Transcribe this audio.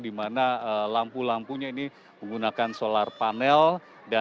di mana lampu lampunya ini menggunakan solar panel dan dianggap lebih hektar